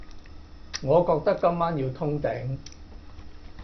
我覺得今晚要通頂